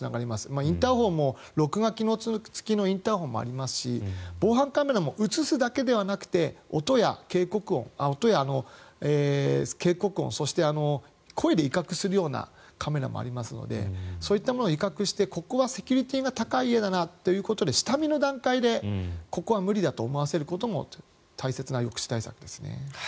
インターホンも、録画機能付きのインターホンもありますし防犯カメラも映すだけではなくて音や警告音そして声で威嚇するようなカメラもありますのでそういったもので威嚇してここはセキュリティーが高い家だなということで下見の段階でここは無理だと思わせることも大切な抑止対策ですね。